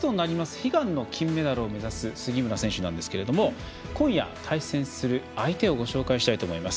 悲願の金メダルを目指す杉村選手ですけど今夜対戦する相手をご紹介したいと思います。